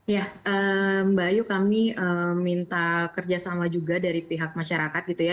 ya mbak ayu kami minta kerjasama juga dari pihak masyarakat gitu ya